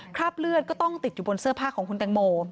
คราบเลือดก็ต้องติดอยู่บนเสื้อผ้าของคุณแตงโม